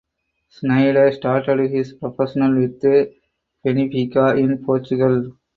Snider started his professional with Benfica in Portugal.